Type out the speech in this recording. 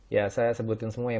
ya saya sebutin semua ya